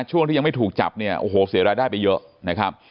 ช่วงที่ยังไม่ถูกจับเนี่ยโอ้โหเสียรายได้ไปเยอะนะครับ